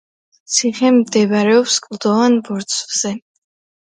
ციხე მდებარეობს კლდოვან ბორცვზე.